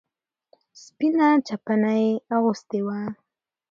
سپينه چپنه يې اغوستې وه.